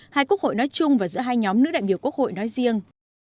hai quốc hội nói chung và giữa hai nhóm nữ đại biểu quốc hội nói riêng